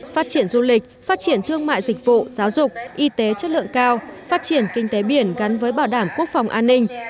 phát triển du lịch phát triển thương mại dịch vụ giáo dục y tế chất lượng cao phát triển kinh tế biển gắn với bảo đảm quốc phòng an ninh